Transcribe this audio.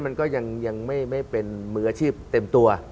มันก็ยังไม่เป็นมืออาชีพเต็มตัว